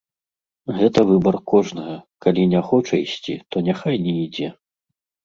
Гэта выбар кожнага, калі не хоча ісці, то няхай не ідзе.